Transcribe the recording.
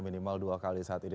minimal dua kali saat ini